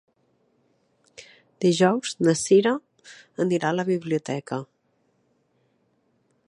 Dijous na Cira anirà a la biblioteca.